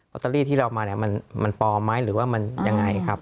ตเตอรี่ที่เรามาเนี่ยมันปลอมไหมหรือว่ามันยังไงครับ